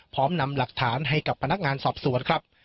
พร้อมนำหลักฐานให้กับพนักงานสอบสวนครับ